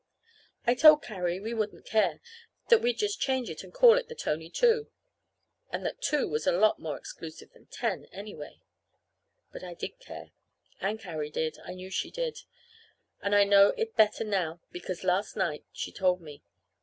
I told Carrie we wouldn't care; that we'd just change it and call it the "Tony Two"; and that two was a lot more exclusive than ten, anyway. But I did care, and Carrie did. I knew she did. And I know it better now because last night she told me.